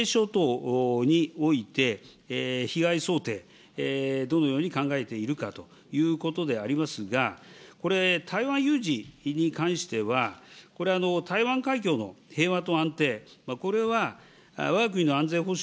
そして、南西諸島において、被害想定、どのように考えているかということでありますが、これ、台湾有事に関しては、これ台湾海峡の平和と安定、これはわが国の安全保障